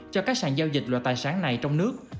cho các sàn giao dịch loại tài sản này trong nước